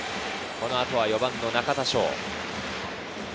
この後は４番の中田翔。